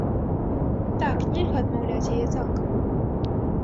Так, нельга адмаўляць яе цалкам.